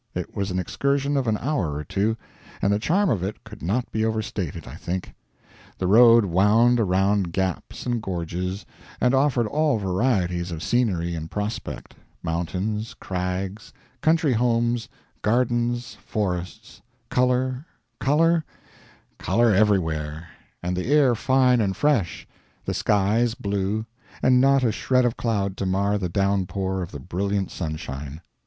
It was an excursion of an hour or two, and the charm of it could not be overstated, I think. The road wound around gaps and gorges, and offered all varieties of scenery and prospect mountains, crags, country homes, gardens, forests color, color, color everywhere, and the air fine and fresh, the skies blue, and not a shred of cloud to mar the downpour of the brilliant sunshine.